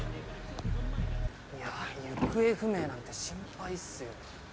いや行方不明なんて心配っすよ。